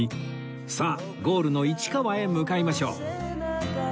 さあゴールの市川へ向かいましょう